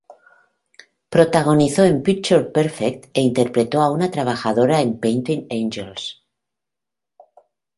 Protagonizó en "Picture Perfect" e interpretó a una trabajadora en "Painted Angels".